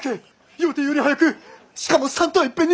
予定より早くしかも３頭いっぺんに！